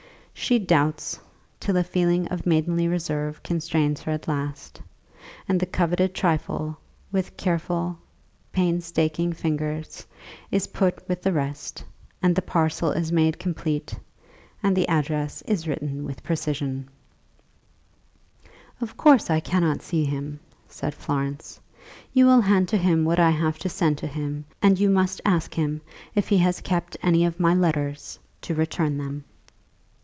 She doubts, till a feeling of maidenly reserve constrains her at last, and the coveted trifle, with careful, painstaking fingers, is put with the rest, and the parcel is made complete, and the address is written with precision. [Illustration: Florence Burton makes up a packet.] "Of course I cannot see him," said Florence. "You will hand to him what I have to send to him; and you must ask him, if he has kept any of my letters, to return them."